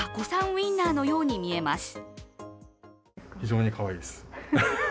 ウインナーのように見えます。